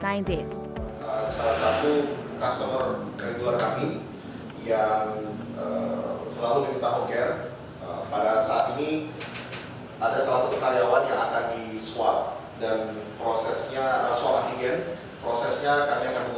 merk is kebetulan alat ini adalah sudah akd sudah mendapatkan izin edar dari kemerkes